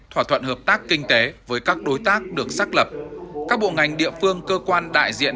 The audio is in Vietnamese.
thỏa thuận hợp tác kinh tế với các đối tác được xác lập các bộ ngành địa phương cơ quan đại diện